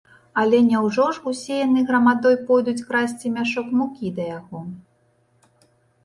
Але няўжо ж усе яны грамадой пойдуць красці мяшок мукі да яго?